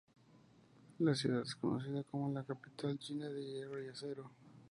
La ciudad es conocida como "la capital China de hierro y acero".